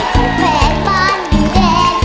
ที่แผนบ้านอยู่เดิน